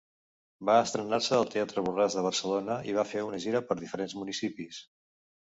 Va estrenar-se al Teatre Borràs de Barcelona i va fer una gira per diferents municipis.